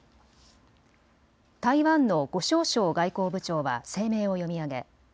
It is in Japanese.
台湾の呉しょう燮外交部長は声明を読み上げ